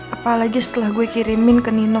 apalagi setelah gue kirimin ke nino